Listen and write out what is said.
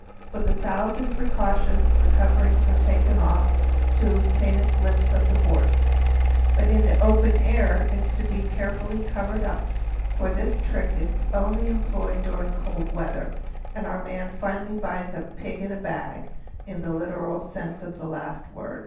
With a thousand precautions the coverings are taken off to obtain a glimpse of the horse: but in the open air it is kept carefully covered up, for this trick is only employed during cold weather, and our man finally buys "a pig in a bag" in the literal sense of the last word.